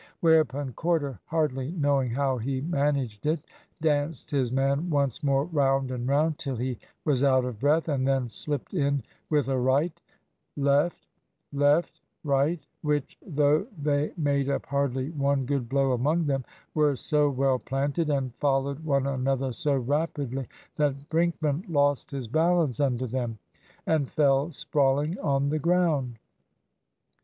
Whereupon Corder, hardly knowing how he managed it, danced his man once more round and round, till he was out of breath, and then slipped in with a right, left left, right, which, though they made up hardly one good blow among them, were so well planted, and followed one another so rapidly, that Brinkman lost his balance under them, and fell sprawling on the ground.